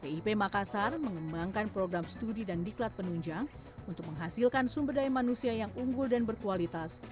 pip makassar mengembangkan program studi dan diklat penunjang untuk menghasilkan sumber daya manusia yang unggul dan berkualitas